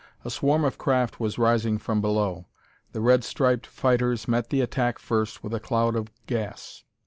A swarm of craft was rising from below. The red striped fighters met the attack first with a cloud of gas.